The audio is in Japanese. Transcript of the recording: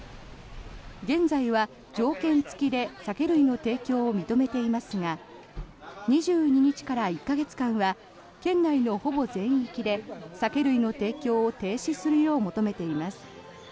現在は条件付きで酒類の提供を認めていますが２２日から１か月間は県外のほぼ全域で酒類の提供を停止するよう求めています。